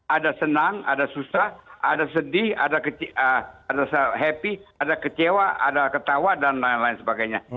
ada senang ada susah ada sedih ada happy ada kecewa ada ketawa dan lain lain sebagainya